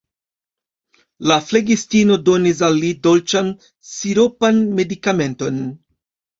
La flegistino donis al li dolĉan, siropan medikamenton.